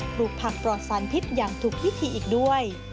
ปลูกผักปลอดสารพิษอย่างถูกวิธีอีกด้วย